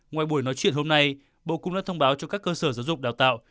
ngoài buổi nói chuyện hôm nay bộ cung đất thông báo cho các cơ sở giáo dục đào tạo